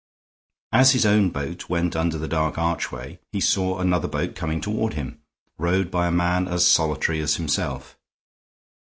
As his own boat went under the dark archway he saw another boat coming toward him, rowed by a man as solitary as himself.